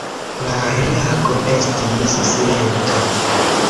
La reago estis silento.